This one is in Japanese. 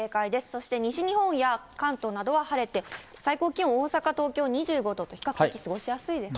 そして西日本や関東などは晴れて、最高気温大阪、東京、２５度と、比較的過ごしやすいですね。